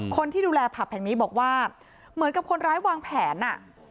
คนที่ดูแลผับแห่งนี้บอกว่าเหมือนกับคนร้ายวางแผนอ่ะ